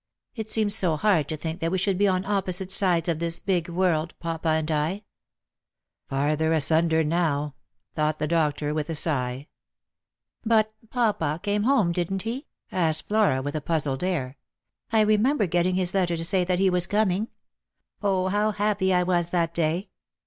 It seemed so hard to think that we should be on opposite sides of this big world, papa and I." " Farther asunder, now," thought the doctor, with a sigh. "But papa came home, didn't he?" asked Flora with a puzzled air. " I remember getting his letter to say that he was coming. 0, how happy I was that day